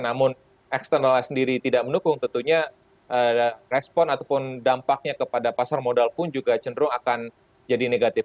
namun eksternalnya sendiri tidak mendukung tentunya respon ataupun dampaknya kepada pasar modal pun juga cenderung akan jadi negatif